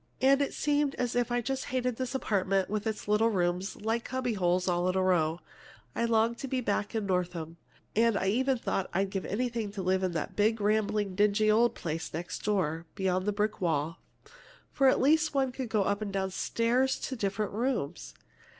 "And it seemed as if I just hated this apartment, with its little rooms, like cubbyholes, all in a row. I longed to be back in Northam. And looking out of the window, I even thought I'd give anything to live in that big, rambling, dingy, old place next door, beyond the brick wall, for at least one could go up and down stairs to the different rooms.